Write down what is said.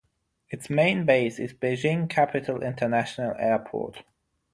Its main base is Beijing Capital International Airport.